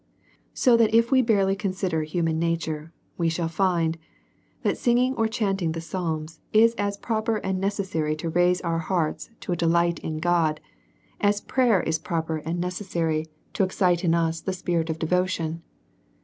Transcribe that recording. So that if we bai'ely consider human nature, we shall find that singing or chanting the psalms is as pro per and necessary to raise our hearts to a delight in God, as prayer is proper and necessary to excite in us the spirit of devotion.